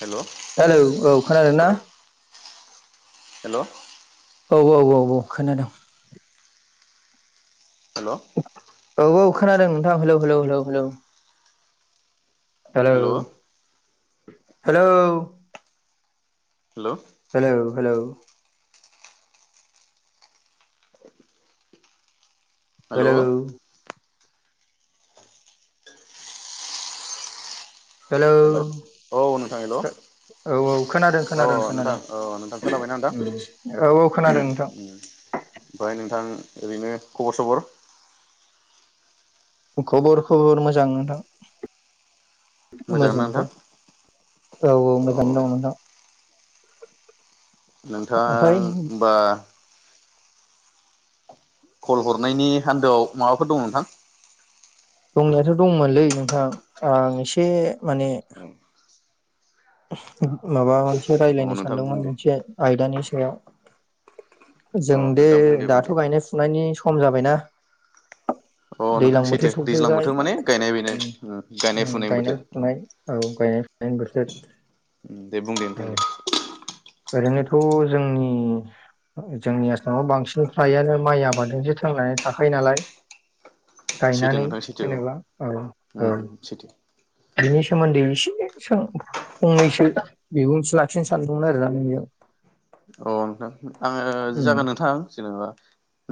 [inaudible] हेल हेल' hello औ खोनादों ना हेल औ औ औ औ खोनादों। हेलो। औ‌ औ खोनादों नोंथां hello hello hello hello hello hello. Hello hello hello hello hello hello औ नोंथां हेलौ औ औ खोनादों खोनादों अ नोंथां खोनादों अ नोंथां खोनाबायना नोंथां औ औ खोनादों नोंथां ओमफ्राय नोंथां ओरैनो खबर सबर खबर खबर मोजां नोंथां। मोजांना मोजाङै नोंथां दं औ औ अ मोजाङै दं नोंथां। [inaudible] नोंथाङा ओमफ्राय ओमबा कल हरनायनि आन्दोआव माबाफोर दं नोंथां? दंनायाथ दंमोनलै नोंथां आं एसे माने माबा मोनसे औ रायलायनो नोंथां बुं सानदोंमोन दे मोनसे आयदानि सा सायाव। अ जों दे नोंथां बुं बुं दे दाथ‌ गायनाय फुनायनि सम। सम जाबायना। अ नोंथां दैज्लां सैथो। बोथोर दैज्लां बोथोर सफैबाय माने गायनाय बेनो गायनाय उम, फुनाय बोथोर औ फुनाय गायनाय फुनायनि बोथोर [unintelligible] दे बुं दे औ बुं दे। ओरैनोथ जोंनि जोंनि आसामाव बांसिन फ्रायानो माइ आबादजोंसो थांनानै थाखायो नालाय सैथो गायनानै नोंथां सैथो जेनेबा औ औ। बिनि सोमोन्दै एसे सों फंनैसो बिबुंथि लाखिनो सानदोंमोन आरो दा बेयाव। अ नोंथां आङो जागोन नोंथां जेनेबा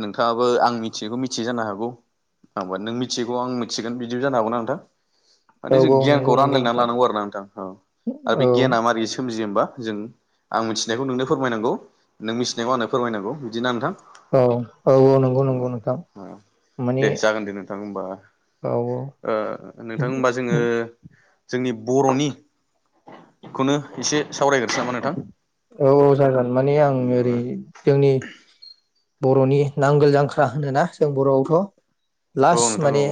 नोंथाङाबो आं मि मिथिगो मिथियो जानो हागौ हबा नों मिथिगौ आं मिथिगोन बिदिबो जानो हागौना नोंथां। औ माने जों औ गियानखौ नंगौ नंगौ रानलायनानै नोंथां लानांगौ आरो ना नोंथां औ आरो औ बे गियाना मारै सोमजियो होमबा जों आं मिथिनायखौ नुनो फोरमायनांगौ नों मिथिनायाव आंनो फोरमायनांगौ बिदिना नोंथां? औ औ औ नोंगौ नोंगौ नोंथां माने दे जागोन दे नोंथां होमबा औ ओ नोंथां होनबा जोङो जोंनि बरनि खनो एसे सावरायग्रोसै नामा नोंथां? औ औ जागोन माने आं ओरै जोंनि बरनि नांगोल जांख्रा होनोना जों बरआवथ औ लास नोंथां औ माने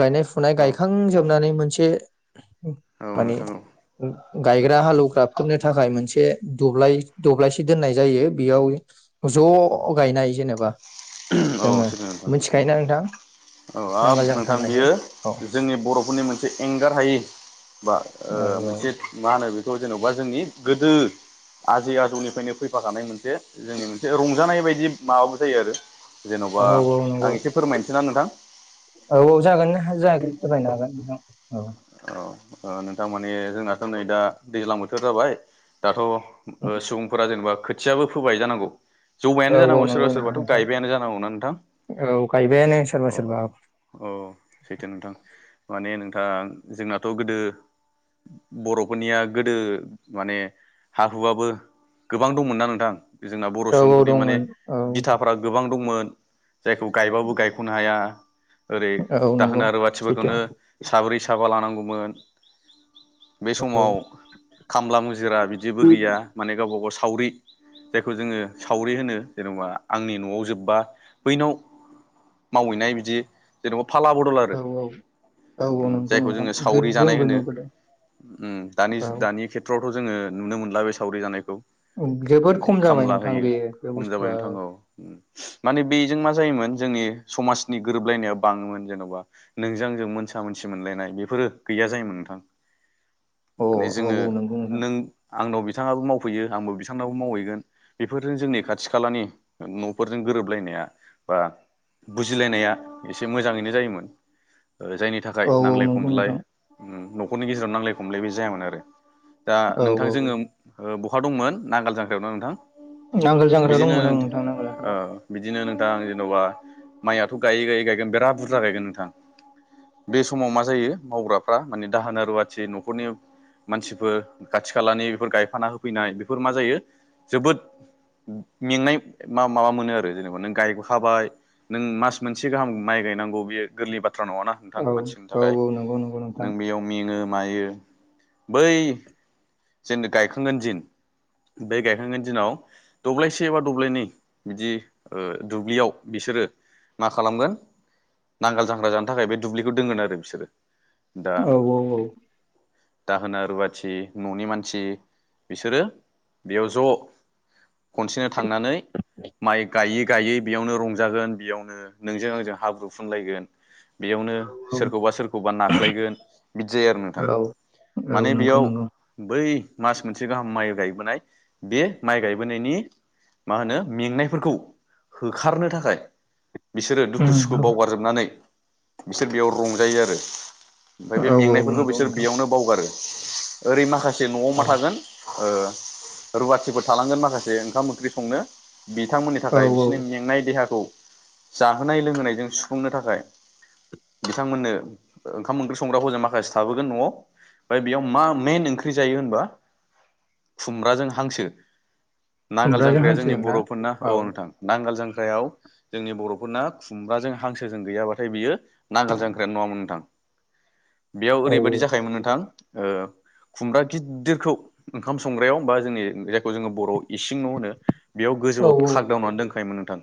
गायनाय फुनाय औ गायखांजोबनानै मोनसे ए औ औ मानि नोंथां औ गायग्रा हालौवग्रा [inaudible] थाखाय मोनसे दब्लाय-दब्लायसे दोननाय जायो बेयाव ज गायनाय औ जेनेबा जोङो मिथिखायोना नोंथां [unintelligible] औ औ हाब नांगोल जांख्रा नोंथां होननायखौ बियो औ जोंनि बरफोरनि मोनसे एंगार हायि बा ओ औ मोनसे मा होनो बे खौ जेनेबा जोंनि गोदो आजै आजौनिफ्रायनो फैफाखानाय मोनसे जोंनि मोनसे रंजानाय बायदि मा जायो आरो जेनबा औ औ आं नंगौ एसे फोरमायनोसै ना नोंथां औ औ जागोन जागोन फोरमायनो हागोन नोंथां औ ओ नोंथां माने जोंनाथ नै दा दैज्लां बोथोर जाबाय दाथ ओ सुबुंफोरा जेनेबा खोथियाबो फोबाय जानांगौ जौबायानो औ औ औ जानांगौ सोरबा नंगौ सोरबाथ नोंथां गायबायानो जानांगौना नोंथां औ गायबायानो सोरबा अ सोरबा औ सैथो नोंथां माने नोंथाङां जोंना थ गोदो बरफोरनिया गोदो माने हा हुआबो गोबां दंमोनना नोंथां जोंना बर औ औ सुबुंफोरनि माने दंमोन औ बिथाफोरा गोबां दंमोन जायखौ गायबाबो गायखनो हाया ओरै औ नंगौ दाहोना रुवाथि सैथो फोरखौनो साब्रै साबा लानांगौ मोन बे औ समाव खामला मुजिरा बिदिबो गैया माने गावबा गाव स सावरि जायखौ जोङो सावरि होनो जेनबा आंनि नआव जोबबा बैनाव मावहैनाय बिदि जेनेबा फाला बदल आरो औ औ औ औ नंगौ जायखौ नोंथां जोङो स गोद सावरि जानाय जोंबो होनो नुबोदों ओम औ दानि-दानि खेथ्र आव खौथ जोङो नुनो मोनला बे सावरि जानायखौ जोबोद माने खम जाबाय खामला नोंथां होयो बे बे खम जाबाय बुस्थुआ नोंथा औ माने बेजों मा जायोमोन जोंनि समाजनि गोरोबलायनाया बाङोमोन जेनबा नोंजों आंजों मोनसा मोनसि मोनलायनाय बेफोरो गैया जायोमोन नोंथां अ औ माने जोङो औ नोंगौ नोंथां नों आंनाव बिथाङाबो मावफैयो आंबो बिथांनावबो मावहैगोन बेफोरजों जोंनि खाथि खालानि नफोरजों गोरोबलायनाया बा बुजिलायनाया एसे मोजाङैनो जायोमोन ओ जायनि थाखाय औ औ नांलाय नंगौ खमज्लाय नोंथां ओम नखरनि गेजेराव नांलाय खमलाय बो जायामोन आरो दा औ नोंथां औ जोङो ओ ब अखा दंमोन नांगाल जांखायाव ना नोंथां नांगोल जाग्रा दंमोन औं नोंथां नांगोल ओ जाग्रायाव बिदिनो नोंथां जेनबा माइआथ गायै गायै गायगोन बिराद बुरजा गायगोन नोंथां बे समाव मा जायो मावग्रा माने दाहोना रुवाथि नखरनि मानसिफोर खाथि खालानि बेफोर गायफाना होफैनाय बेफोर मा जायो जोबोद मेंनाय मा-माबा मोनो आरो जेनेबा नों गायखाबाय नों मास मोनसे गाहाम माइ गायनांगौ बेयो गोरलै बाथ्रा नङाना नोंथां औ मानसिनि औ थाखाय औ नोंगौ नोंगौ नों बेयाव मेङो मायो बै जेन गायखांगोन दिन बै गायखांगोन दिनाव दब्लायसे एबा दब्लायनै बिदि ओ दुब्लियाव बिसोरो मा खालामगोन नांगोल जांग्रा जानो थाखाय बे दुब्लिखौ दोनगोन आरो बिसोरो दा औ औ औ दाहोना रुवाथि ननि मानसि बिसोरो बेयाव ज खनसेनो थांनानै माइ गायो गायै बेयावनो रंजागोन बेयावनो नोंजों आंजों हाब्रुफुनलायगोन बेयावनो सोरखौबा सोरखौबा ना खालायगोन बिदि जायो आरो नोंथां औ औ माने नंगौ बेयाव नंगौ बै मास मोनसे गाहाम माइ गायबोनाय बे माइ गायबोनायनि मा होनो मेंनायफोरखौ होखारनो थाखाय बिसोरो दुखु उम सुखु बावगारजोबनानै बिसोर बेयाव रंजायो आरो ओमफ्राय बे औ औ मेंनायफोरखौ नंगौ बिसोर नोंथां बेयावनो बावगारो ओरै माखासे माखासे नआव औ मा थागोन ओ रुवाथिफोर थालांगोन माखासे ओंखाम ओंख्रि संनो बिथांमोननि औ थाखाय बिसोरनि औ मेंनाय देहाखौ जाहोनाय लोंहोनायजों सुफुंनो थाखाय बिथांमोननो ओ ओंखाम ओंख्रि संग्राफोरजों माखासे थाबोगोन नआव ओमफ्राय बेयाव मा मइेन ओंख्रि जायो होनबा खुमब्राजों हांसो। नांगोल खुमब्राजों जांख्राया जोंनि हांसोजों ना बरफोरना औ नोंथां नांगाल जांख्रा खांख्रायाव जोंनि बरफोरना खुमब्राजों हांसोजों गैयाबाथाय बियो नांगाल जांख्रायानो नङामोन नोंथां। बेयाव औ ओरैबायदि जाखायोमोन नोंथां ओ खुमब्रा गिदिरखौ ओंखाम संग्रायाव बा जोंनि जायखौ जोङो बर इसिं न होनो। बेयाव औ गोजौआव खागदावनानै दोनखायोमोन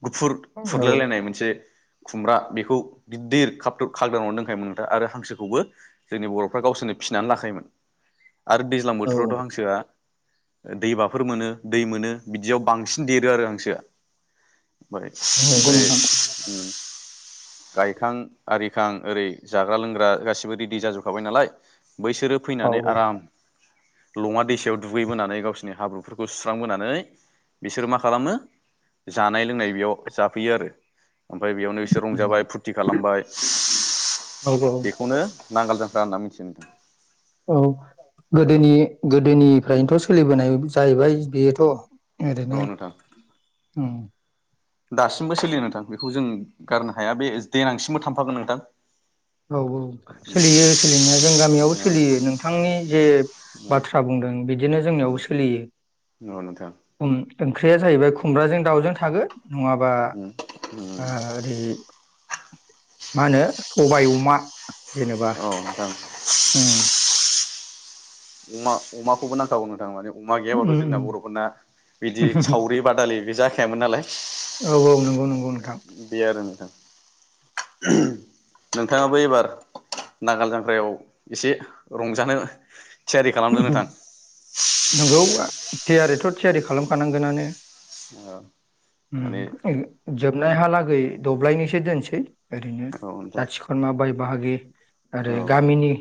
[unintelligible] गुफुर फुरलायलायनाय मोनसे खुमब्रा बेखौ गिदिर खाबथुब खाग [inaudible] [unintelligible] नोंथा आरो हांसोखौबो जोंनि बरफ्रा गावसोरनो फिसिनानै लाखायोमोन। आरो दैज्लां औ बोथोरावथ हांसोआ दैमाफोर मोनो दै मोनो बिदियाव बांसिन देरो आरो हांसोआ नंगौ नोंथां [unintelligible] गायखां आरिखां ओरै जाग्रा लोंग्रा गासिबो रेडि जाजोबखाबाय नालाय बैसोरो औ फैनानै आराम लङा दैसायाव दुगैबोनानै गावसिरनि हाब्रुफोरखौ सुस्रांबोनानै बिसोरो मा खालामो जानाय लोंनाय बेयाव जाफैयो आरो ओमफ्राय बेयावनो एसे रंजाबाय फुरथि खालामबाय [inaudible] औ बेखौनो नांगोल जांख्रा होनना मिथिनो औ गोदोनि गोदोनिफ्रायनोथ सोलिबोनाय जाहैबाय बेयोथ औ ओरैनो नोंथां ओम दासिमबो सोलियो नोंथां बेखौ जों गारनो हाया बे देनांसिमबो थांफागोन नोंथां औ औ सोलियो सोलिनाया जों गामियावबो औ सोलियो नोंथांनि जे बाथ्रा बुंदों बिदिनो जोंनियावबो सोलियो। औ नोंथां ओंख्रिया जाहैबाय खुमब्राजों दाउजों थागोन नङाबा आ ओरै मा होनो सबाय अमा जेनेबा औ जागोन उम अमा अमाखौबो नांखागौ नोंथां माने अमा गैयाबाथ उम जोंना उम बरफोरना बिदि सावरि बादालि बे जाखायामोन नालाय औ औ नंगौ नंगौ नोंथां बे आरो नोंथां नोंथाङाबो एबार नांगाल जांग्रायाव एसे रंजानो थियारि खालामदो नोंथां [unintelligible] नंगौ थियारिथ थियारि खालामखानांगोनानो। औ माने ओम [unintelligible] नुनायहालागै दब्लायनैसो दोनसै ओरैनो औ नोंथां जाथि खुरमा बाय बाहागि आरो औ गामिनि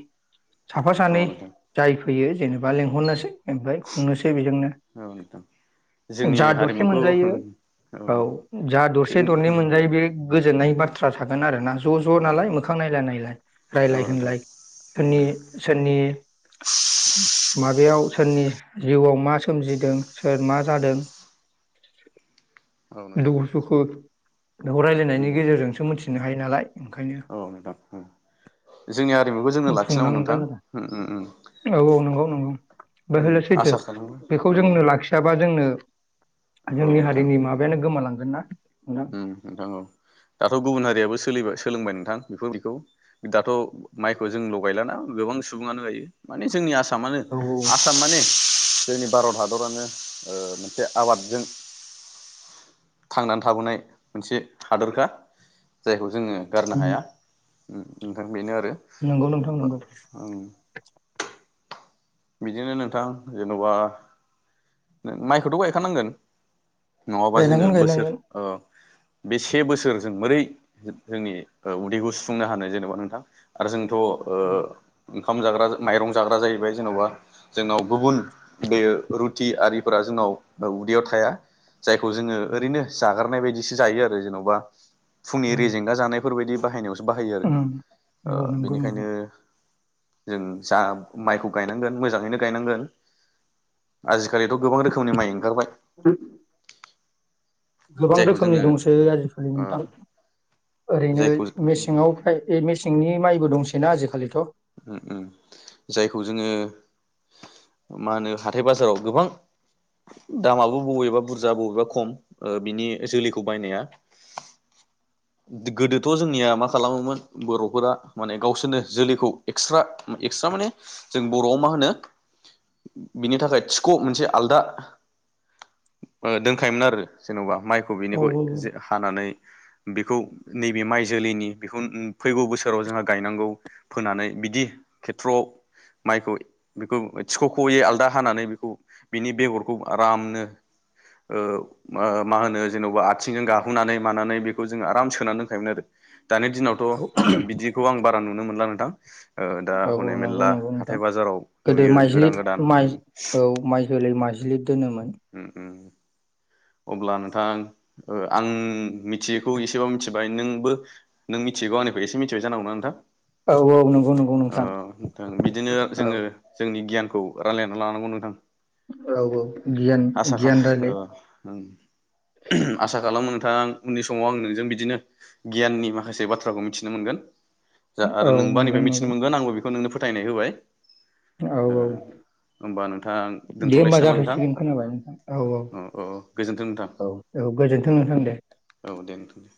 साफा औ सानै नोंथां जाय होयो जेनेबा लेंहरनोसै ओमफ्राय खुंनोसै औ नोंथां बेजोंनो जोंनि जा दरसे हारिमुखौ मोनजायो औ जा जों दरसे दरन औ मोनजायो बे गोजोननाय बाथ्रा थागोन आरो ना ज ज नालाय मोखां नायलाय नायलाय औ रायलाय नोंथां औ होनलाय सोरनि सोरनि माबायाव सोरनि जिउआव मा सोमजिदों सोर मा जादों नोंथां दुखु सुखु खोथाखौ रायलायनायनि गेजेरजोंसो मोनथिनो हा नालाय ओंखायनो औ नोंथां ओम जोंनि आरिमुखौ जोंनो लाखिनांगौ खुंनांगोन नोंथां आरो औ औ नंगौ नंगौ बे हले सैथो आसा खालामो बेखौ औ जोंनो लाखियाबा जोंनो जोंनि हारिनि माबायानो गोमालां गोनना ओम नोंथां औ दाथ गुबुन हारियाबो सोलिबाय सोलोंबाय नोंथां बेफोर बेखौ दाथ' माइखौ जोंल गायलाना गोबां सुबुङानो गायो माने जोंनि आसाम मानो औ आसाम माने [unintelligible] [unintelligible] जोंनि भारत हादरानो ओ [unintelligible] मोनसे आबादजों थांनानै थाबोनाय मोनसे हादोरखा जायखौ जोङो गारनो उम हाया ओम नोंथां बेनो आरो [inaudible] नंगौ नोंथां नंगौ बिदिनो नोंथां जेनबा माइखौथ' गायखानांगोन नङाबा जोङो गायनांगोन बोसोर गायनांगोन ओ बे से बोसोर जों मोरै जोंनि उन्दैखौ सुफुंनो हानो जेनेबा नोंथां आरो जों थ‌ ओ ओंखाम जाग्रा माइरं जाग्रा जाहैबाय जेनबा जोंनाव गुबुन बे रुथि आरिफोरा जोंनाव उदैयाव थाया जायखौ जोङो ओरैनो जागारनाय बाय बिसो जायो आरो जेनबा फुंनि उम रेजेंगा जानायफोरबायदि बाहायनायावस बाहायो आरो ओ औ नंगौ नंगौ बेनिखायनो जों जा माइखौ गाय मोजाङैनो गायनांगोन आजि खालिथ गोबां रोखोमनि माइ ओंखारबाय गोबां जायखौ रोखोमनि जोङो दंसै आजिखालि ओ नोंथां ओरैनो जायखौ उम मेसेंङाव फ्राय मेसेंनि माइ बो दंसैना आजिखालिथ औ ओं ओं जायखौ जोङो मा होनो हाथाय बाजाराव गोबां दामाबो बबेबा बुरजा बबेबा खम बिनि जोलैखौ बायनाया गोदोथ' जोंनिया मा खालामोमोन बर'फोरा माने गावसोरनो जोलैखौ एक्सट्रा एक्सट्रा माने जों बरआव मा होनो बिनि थाखाय थिख' मोनसे आलदा दोनखायोमोन आरो जेनबा माइ औ बिनिखौ जे हानानै बेखौ नैबे माइ जोलैनि बेखौ फैगौ बोसोराव जोंहा गायनांगौ फोनानै बिदि खेथ्रआव माइखौ बेखौ थिखखयै आलादा हानानै बेखौ बिनि बेगरखौ आरामनो ओ मा मा होनो जेनेबा आथिंजों गाहुनानै मानानै बे बो जों आराम सोनानै दोनखायोमोन आरो दानि दिनावथ औ बिदिखौ आं बा नुनो मोनला नोंथां ओ दा औ औ हनै नोंगौ मेरला नोंगौ नोंथां हाथाय बाजाराव गोदो नुयो माइजलि गोदान गोदान माइ उम औ माइजुलि माइ ज्लि उम उम अब्ला नोंथां ओ आं मिथियैखौ एसेबां मिथिबाय नोंबो नों मिथियैगौ आंनिखौ एसे मिथिबाय जानांगौ ना औ औ नंगौ नंगौ नोंथां ओ नोंथां नोंथां बिदिनो औ जोङो जोंनि गियान खौ रायलायनानै लानांगौ नोंथां औ औ गियान आसा खा गियान ओ रायलाय- आसा खालामो नोंथाङा आं उननि समाव आं नोंजों बिदिनो गियाननि माखासे बाथ्राखौ मिथिनो मोनगोन जा आरो औ नोंबो मोनगोन आंनिफ्राय मिथिनो मोनगोन आंबो बेखौ नोंनो फोथायनाय होबाय औ ओ औ होमबा नोंथां दे होनबा दोनथ'लायसै नामा नोंथां जाथसिगोन खोनाबाय नोंथां औ औ औ औ गोजोन्थों नोंथां दे औ दे दोनथनि